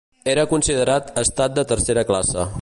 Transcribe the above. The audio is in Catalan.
Era considerat estat de tercera classe.